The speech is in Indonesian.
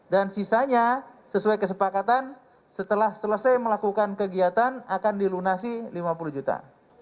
dan sisanya sesuai kesepakatan setelah selesai melakukan kegiatan akan dilunasi lima puluh juta